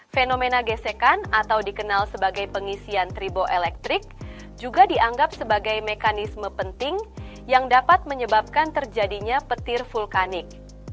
fenomena gesekan atau dikenal sebagai pengisian tribo elektrik juga dianggap sebagai mekanisme penting yang dapat menyebabkan terjadinya petir vulkanik